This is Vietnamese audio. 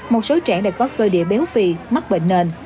một số trẻ đã có cơ địa béo phì mắc bệnh nền